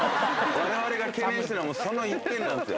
われわれが懸念しているのは、その一点なんですよ。